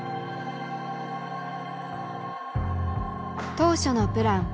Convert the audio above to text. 当初のプラン。